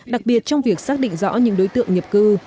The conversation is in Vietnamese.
đặc biệt trong việc xác định rõ những đối tượng nhập cư